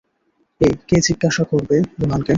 এই, কে জিজ্ঞাসা করবে রোহনকে?